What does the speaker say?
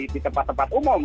di tempat tempat umum